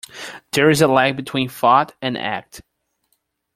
There is a lag between thought and act.